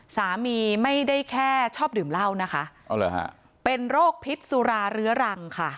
สามีไม่ได้แค่ชอบดื่มเหล้านะคะเป็นโรคพิษสุราเรื้อรังค่ะ